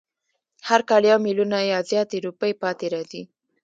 هر کال یو میلیونه یا زیاتې روپۍ پاتې راځي.